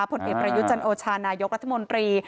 ผลเอียดประยุจรรย์โอชานายกรัฐมนตรี